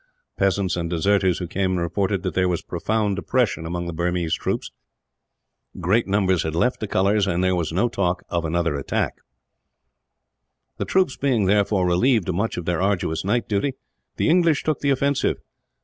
Peasants and deserters who came in reported that there was profound depression among the Burmese troops. Great numbers had left the colours, and there was no talk of another attack. The troops being, therefore, relieved of much of their arduous night duty, the English took the offensive.